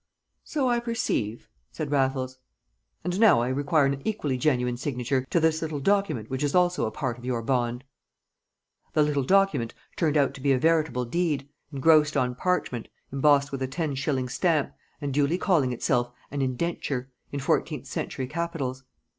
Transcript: "So I perceive," said Raffles. "And now I require an equally genuine signature to this little document which is also a part of your bond." The little document turned out to be a veritable Deed, engrossed on parchment, embossed with a ten shilling stamp, and duly calling itself an INDENTURE, in fourteenth century capitals.